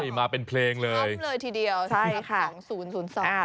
โอ้โฮมาเป็นเพลงเลยซ้ำเลยทีเดียวสำหรับ๐๒๐๒